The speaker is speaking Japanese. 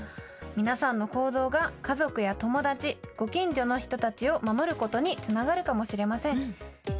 皆さんの行動が、家族や友達ご近所の人たちを守ることにつながるかもしれません。